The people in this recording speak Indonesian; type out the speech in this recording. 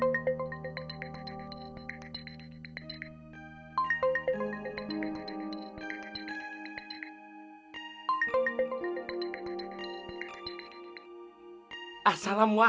bisa enak banget